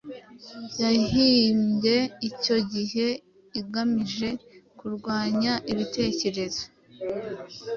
yahimbwe icyo gihe igamije kurwanya ibitekerezo